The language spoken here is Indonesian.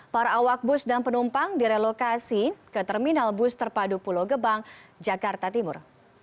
para awak bus dan penumpang direlokasi ke terminal bus terpadu pulau gebang jakarta timur